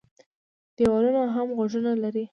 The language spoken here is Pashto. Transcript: ـ دېوالونو هم غوږونه لري.